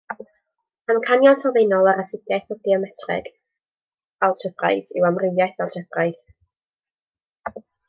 Amcanion sylfaenol yr astudiaeth o geometreg algebraidd yw amrywiaeth algebraidd.